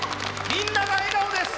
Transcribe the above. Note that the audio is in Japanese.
みんなが笑顔です！